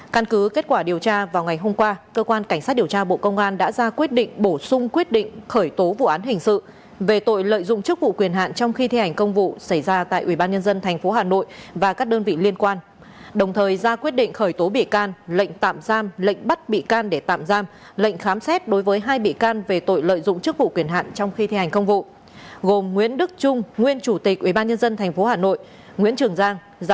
căn cứ kết quả điều tra vào ngày hôm qua cơ quan cảnh sát điều tra bộ công an đã ra quyết định bổ sung quyết định khởi tố vụ án hình sự về tội lợi dụng chức vụ quyền hạn trong khi thi hành công vụ xảy ra tại ubnd thành phố hà nội và các đơn vị liên quan đồng thời ra quyết định khởi tố bị can lệnh tạm giam lệnh bắt bị can để tạm giam lệnh khám xét đối với hai bị can về tội lợi dụng chức vụ quyền hạn trong khi thi hành công vụ gồm nguyễn đức trung nguyên chủ tịch ubnd thành phố hà nội nguyễn trường giang gi